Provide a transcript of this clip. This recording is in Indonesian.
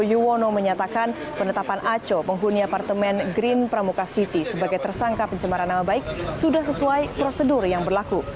yuwono menyatakan penetapan aco penghuni apartemen green pramuka city sebagai tersangka pencemaran nama baik sudah sesuai prosedur yang berlaku